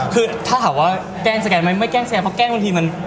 เพราะเห็นมีมแล้วมันตลกดี